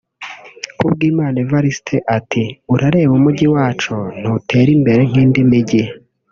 Kubwimana Evariste ati “urareba umujyi wacu ntutera imbere nk’indi mijyi